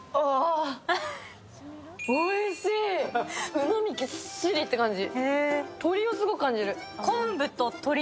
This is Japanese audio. うまみぎっしりって感じ。